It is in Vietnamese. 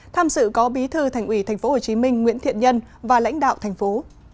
tham sự có bí thư thành ủy tp hcm nguyễn thiện nhân và lãnh đạo thành phố